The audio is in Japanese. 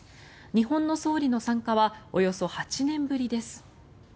日本の総理の参加はおよそ８年ぶりです。